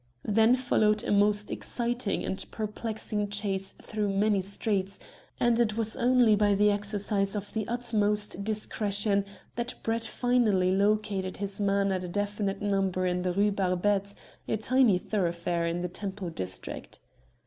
Then followed a most exciting and perplexing chase through many streets, and it was only by the exercise of the utmost discretion that Brett finally located his man at a definite number in the Rue Barbette, a tiny thoroughfare in the Temple district.